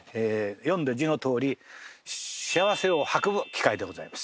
読んで字のとおり幸せを運ぶ機械でございます。